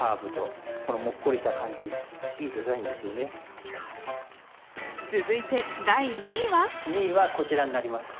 やっぱりこの続いて第２位は⁉２位はこちらになります。